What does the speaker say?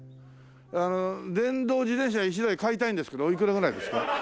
あの電動自転車１台買いたいんですけどおいくらぐらいですか？